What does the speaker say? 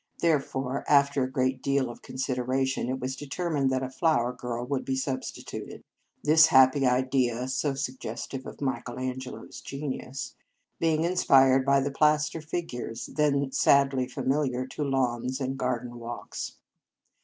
Therefore, after a great deal of con sideration, it was determined that a flower girl should be substituted; this happy idea (so suggestive of Michael Angelo s genius) being inspired by the plaster figures then sadly familiar to lawns and garden walks.